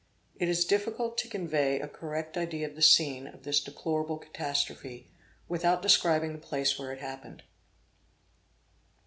It is difficult to convey a correct idea of the scene of this deplorable catastrophe, without describing the place where it happened.